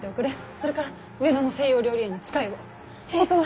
それから上野の西洋料理屋に使いを。